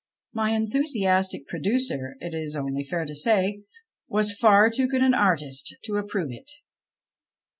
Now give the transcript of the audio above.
My enthusiastic producer, it is only fair to say, was far too good an artist to approve it.